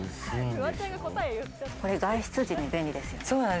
これ、外出時に便利です。